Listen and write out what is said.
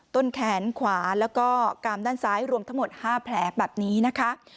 ต้นแขนขวาแล้วก็กามด้านซ้ายรวมทั้งหมด๕แผลแบบนี้นะคะ